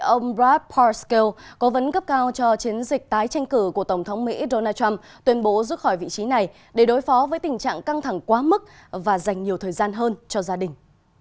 ông brad parscale cố vấn cấp cao cho chiến dịch tái tranh cử của tổng thống mỹ donald trump tuyên bố rút khỏi vị trí này để đối phó với tình trạng căng thẳng quá mức và dành nhiều thời gian hơn cho gia đình